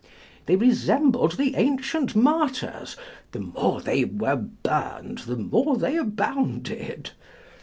They resembled the ancient martyrs the more they were burned, the more they abounded.